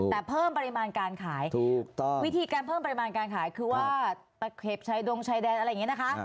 แต่เพิ่มปริมาณการขายถูกต้องวิธีการเพิ่มปริมาณการขายคือว่าตะเข็บชายดงชายแดนอะไรอย่างนี้นะคะ